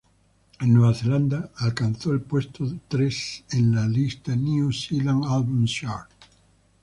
En Nueva Zelanda, alcanzó el puesto tres en la lista New Zealand Albums Chart.